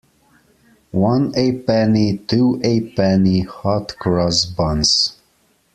One a penny, two a penny, hot cross buns